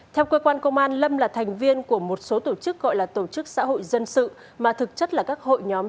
theo cơ quan công an lâm là thành viên của một số tổ chức gọi là tổ chức xã hội dân sự mà thực chất là các hội nhóm